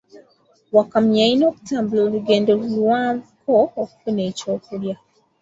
Wakamunye yalina okutambula olugendo luwanvuko okufuna eky'okulya.